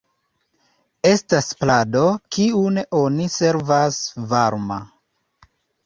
Estas plado kiun oni servas varma.